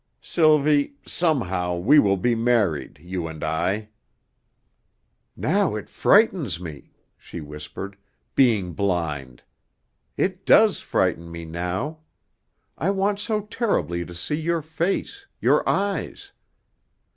Sylvie, somehow we will be married you and I!" "Now it frightens me," she whispered, "being blind. It does frighten me now. I want so terribly to see your face, your eyes.